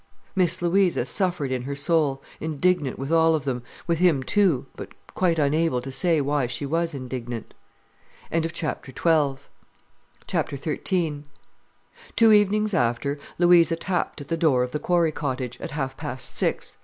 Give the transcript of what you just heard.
Miss Louisa suffered in her soul, indignant with all of them, with him too, but quite unable to say why she was indignant. XIII Two evenings after, Louisa tapped at the door of the Quarry Cottage, at half pas six.